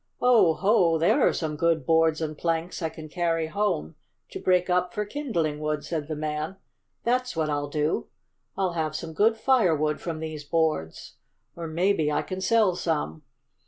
"Oh, ho! There are some good boards and planks I can carry home to break up for kindling wood," said the man. "That's what I'll do. I'll have some good firewood from these boards! Or maybe I can sell some."